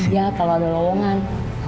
iya kalau ada lowongan